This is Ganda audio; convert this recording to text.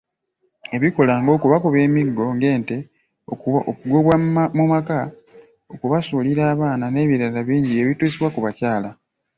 Ebikolwa nga okubakuba emiggo ng'ente, okugobwa mu maka, okubasuulira abaana n'ebirala bingi byebitusibwa kubakyala.